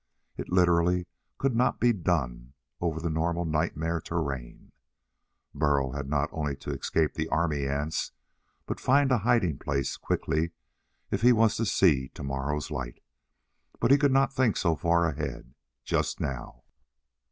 It literally could not be done over the normal nightmare terrain. Burl had not only to escape the army ants, but find a hiding place quickly if he was to see tomorrow's light. But he could not think so far ahead, just now.